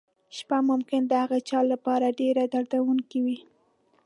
شپه ممکن د هغه چا لپاره ډېره دردونکې وي.